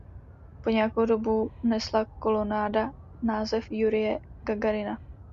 Po nějakou dobu nesla kolonáda název Jurije Gagarina.